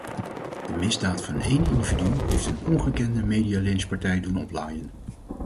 De misdaad van één individu heeft een ongekende medialynchpartij doen oplaaien.